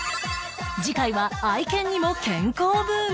次回は愛犬にも健康ブーム